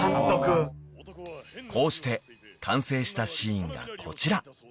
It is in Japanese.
［こうして完成したシーンがこちら］